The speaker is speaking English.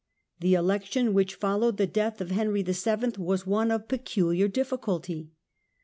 The election which followed the death of Henry VII. difficulties was one of peculiar difficulty.